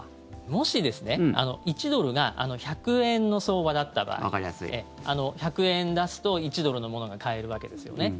もし、１ドルが１００円の相場だった場合１００円出すと１ドルのものが買えるわけですよね。